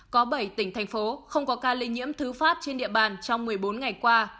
có bảy tỉnh thành phố không có ca lây nhiễm thứ phát trên địa bàn trong một mươi bốn ngày qua